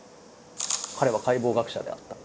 彼は解剖学者であった。